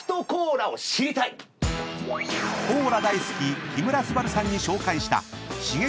［コーラ大好き木村昴さんに紹介した刺激